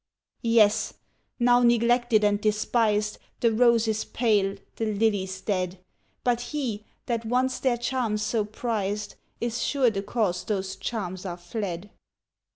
"Yes! now neglected and despised, The rose is pale, the lily's dead; But he, that once their charms so prized, Is sure the cause those charms are fled.